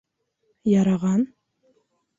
— Яраған.